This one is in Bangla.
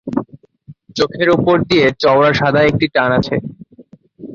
চোখের ওপর দিয়ে চওড়া সাদা একটি টান আছে।